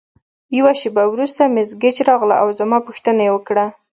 یوه شیبه وروسته مس ګیج راغله او زما پوښتنه یې وکړه.